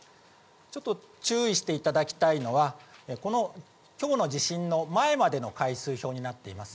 ちょっと注意していただきたいのは、このきょうの地震の前までの回数表になっています。